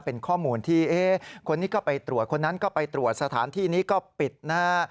เป็นข้อมูลที่คนนี้ก็ไปตรวจคนนั้นก็ไปตรวจสถานที่นี้ก็ปิดนะฮะ